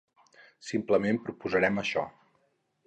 Simplement posposarem això.